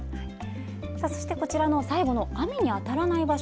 そして最後の雨に当たらない場所。